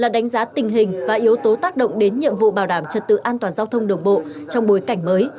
đánh giá tình hình và yếu tố tác động đến nhiệm vụ bảo đảm trật tự an toàn giao thông đường bộ trong bối cảnh mới